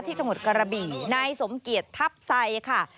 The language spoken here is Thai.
จังหวัดกระบี่นายสมเกียจทัพไซค่ะ